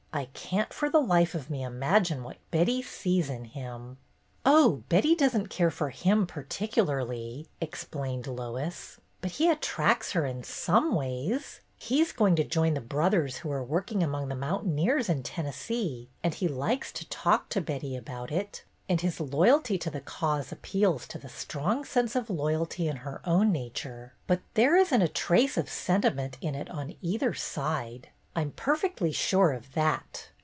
I can't for the life of me imagine what Betty sees in him." "Oh, Betty doesn't care for him particu larly," explained Lois. "But he attracts her in some ways. He 's going to join the Brothers who are working among the moun taineers in Tennessee, and he likes to talk to Betty about it; and his loyalty to the cause appeals to the strong sense of loyalty in her own nature. But there is n't a trace of senti ment in it on either side, I'm perfectly sure of that."